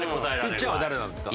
ピッチャーは誰なんですか？